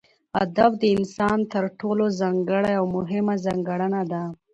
ادب دانسان تر ټولو ځانګړې او مهمه ځانګړنه ده